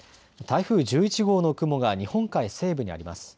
台風１１号の雲が日本海西部にあります。